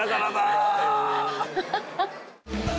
「アハハハ」